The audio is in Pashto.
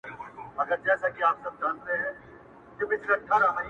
خور وايي وروره’ ورور وای خورې مه ځه’